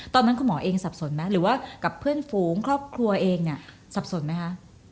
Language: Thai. ตอนนั้นคุณหมอเองสับสนไหมหรือว่ากับเพื่อนฝูงครอบครัวเองเนี่ยสับสนไหมคะ